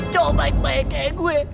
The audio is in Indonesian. cowok baik baik kayak gue